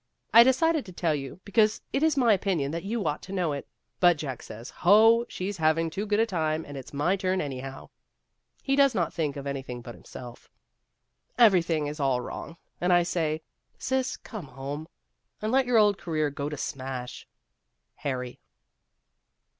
I decided to tell you, because it is my opinion that you ought to know it ; but Jack says, ' Ho ! she 's having too good a time, and it 's my turn anyhow.' He does not think of any body but himself. Everything is all 284 Vassar Studies wrong, and I say, Sis, come home, and let your old career go to smash. " HARRY."